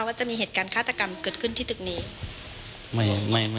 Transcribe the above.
ว่าจะมีเหตุการณ์ฆาตกรรมเกิดขึ้นที่ตึกนี้